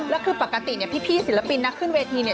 แล้วคือปกติเนี่ยพี่ศิลปินนักขึ้นเวทีเนี่ย